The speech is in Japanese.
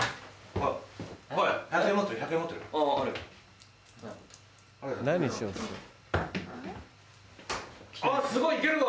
あっすごい行けるわ。